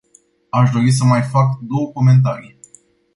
Aș dori să mai fac două comentarii.